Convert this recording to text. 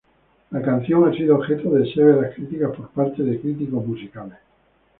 La canción ha sido objeto de severas críticas por parte de críticos musicales.